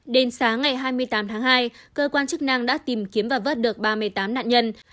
đến sáng ngày hai mươi tám tháng hai cơ quan chức năng đã tìm kiếm và vớt được ba mươi tám nạn nhân